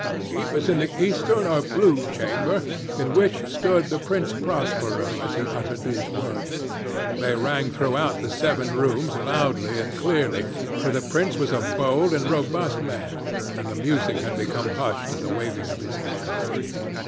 It was in the eastern or blue chamber in which stood the Prince Prospero as he uttered these words. They rang throughout the seven rooms loudly and clearly—for the prince was a bold and robust man, and the music had become hushed at the waving of his hand.